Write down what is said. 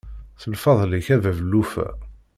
S lfeḍl-ik a bab llufa.